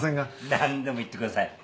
何でも言ってください。